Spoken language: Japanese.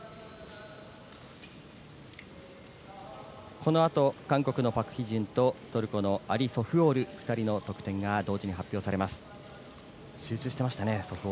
このあと韓国のパク・ヒジュンとアリ・ソフオール２人の得点が同時に発表されます。